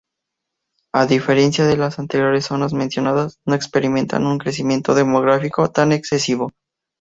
A diferencia de las anteriores zonas mencionadas, no experimentan un crecimiento demográfico tan excesivo.